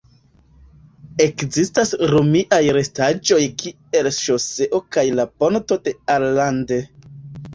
Ekzistas romiaj restaĵoj kiel ŝoseo kaj la ponto de Allende.